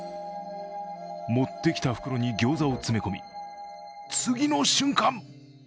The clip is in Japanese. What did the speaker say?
持ってきた袋に餃子を詰め込み次の瞬間